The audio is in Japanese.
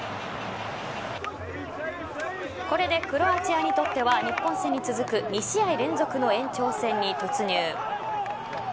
これでクロアチアにとっては日本戦に続く２試合連続の延長戦に突入。